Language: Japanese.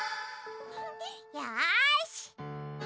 よし！